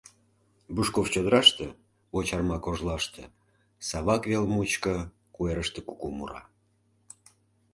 Бушков чодыраште, Вочарма кожлаште, Савак вел мучко куэрыште куку мура.